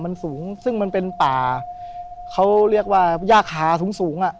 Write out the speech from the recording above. มันสูงซึ่งมันเป็นป่าเขาเรียกว่าย่าคาสูงสูงอ่ะ